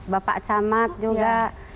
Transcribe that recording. bapak camat juga